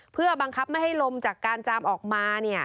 เพื่อบังคับไม่ให้ลมจากการจามออกมา